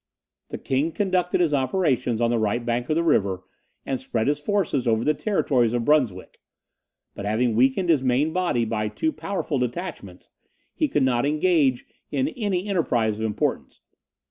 The king conducted his operations on the right bank of the river, and spread his forces over the territories of Brunswick, but having weakened his main body by too powerful detachments, he could not engage in any enterprise of importance.